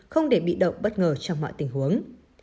không để bị động bất ngờ trong mọi tình huống